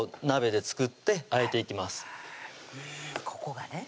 ここがね